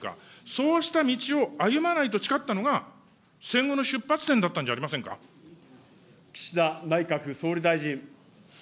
そうした道を歩まないと誓ったのが、戦後の出発点だったんじゃあ岸田内閣総理大臣。